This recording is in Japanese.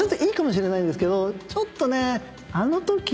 ちょっとね。